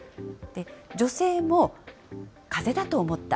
女性も、かぜだと思った。